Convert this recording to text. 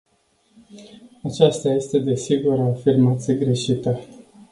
Aceasta este, desigur, o afirmație greșită.